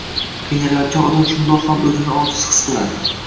Qiynalayotgan odam shundoq ham o‘zini ojiz his qiladi.